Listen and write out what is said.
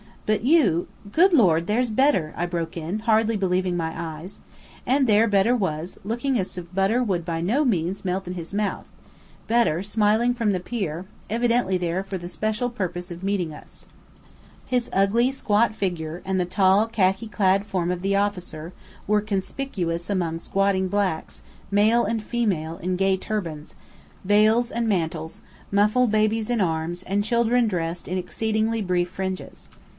But you " "Good Lord, there's Bedr!" I broke in, hardly believing my eyes. And there Bedr was, looking as if butter would by no means melt in his mouth: Bedr, smiling from the pier, evidently there for the special purpose of meeting us. His ugly squat figure, and the tall, khaki clad form of the officer, were conspicuous among squatting blacks, male and female, in gay turbans, veils, and mantles, muffled babies in arms, and children dressed in exceedingly brief fringes.